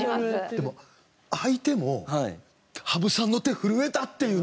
でも相手も羽生さんの手震えたっていうのはもう。